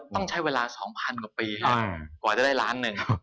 ต้องใช้เวลา๒๐๐กว่าปีกว่าจะได้ล้านหนึ่ง